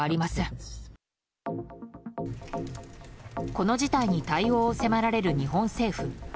この事態に対応を迫られる日本政府。